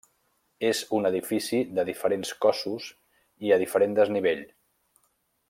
És un edifici de diferents cossos i a diferent desnivell.